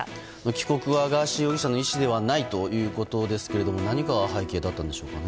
帰国はガーシー容疑者の意志ではないということですが何が背景だったんでしょうかね。